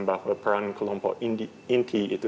jadi peran kelompok inti itu